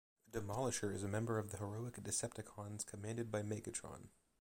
Demolishor is a member of the heroic Decepticons commanded by Megatron.